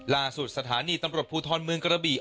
ล่าสุดสถานีประหลบภูทิ์ธรรมเมืองกระบี่